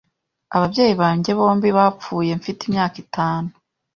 Ababyeyi banjye bombi bapfuye mfite imyaka itanu.